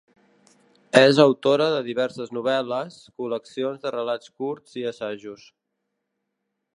És autora de diverses novel·les, col·leccions de relats curts i assajos.